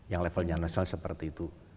yang levelnya nasional seperti itu